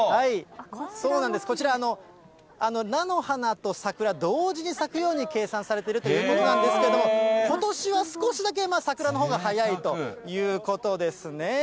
そうなんです、こちら、菜の花と桜、同時に咲くように計算されてるということなんですけれども、ことしは少しだけ桜のほうが早いということですね。